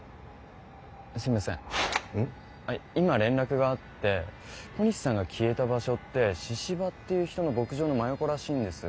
今連絡があって小西さんが消えた場所って「神々」っていう人の牧場の真横らしいんです。